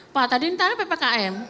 pak tadi ini tanya ppkm